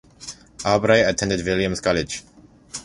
Albright attended Williams College.